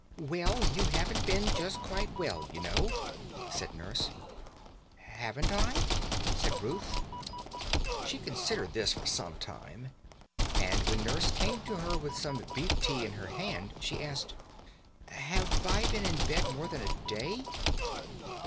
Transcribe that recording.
"Well, you haven't been just quite well, you know," said Nurse. "Haven't I?" said Ruth. She considered this for some time, and when Nurse came to her with some beef tea in her hand, she asked: "Have I been in bed more than a day?"